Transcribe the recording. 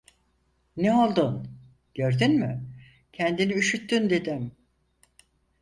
Ne oldun? Gördün mü, kendini üşüttün! dedim.